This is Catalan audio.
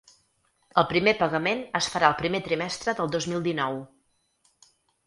El primer pagament es farà el primer trimestre del dos mil dinou.